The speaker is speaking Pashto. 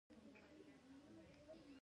که د سندرو وي.